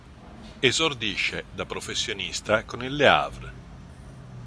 Esordisce da professionista con il Le Havre.